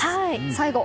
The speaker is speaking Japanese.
最後。